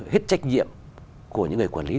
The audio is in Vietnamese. hết trách nhiệm của những người quản lý